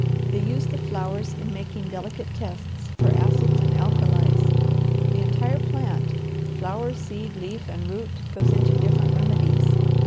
They use the flowers in making delicate tests for acids and alkalies. The entire plant, flower, seed, leaf, and root, goes into different remedies.